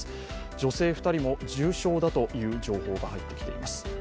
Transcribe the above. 女性２人も重傷だという情報が入ってきています。